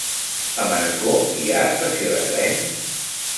A Manacor hi ha estació de tren?